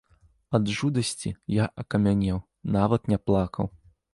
Ад жудасці я акамянеў, нават не плакаў.